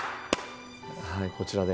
こちらで。